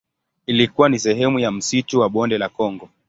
Ilikuwa ni sehemu ya msitu wa Bonde la Kongo.